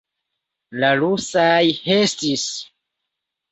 La rusaj restis.